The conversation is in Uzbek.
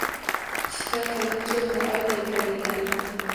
Ishva qilib keldi oyday parilar